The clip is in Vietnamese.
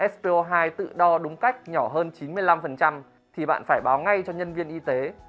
sco hai tự đo đúng cách nhỏ hơn chín mươi năm thì bạn phải báo ngay cho nhân viên y tế